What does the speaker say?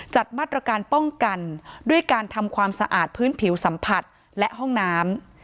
จัดมาตรการป้องกันด้วยการทำความสะอาดพื้นผิวสัมผัสและห้องน้ำ